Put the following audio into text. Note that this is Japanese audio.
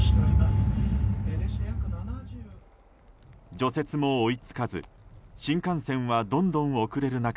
除雪も追いつかず新幹線は、どんどん遅れる中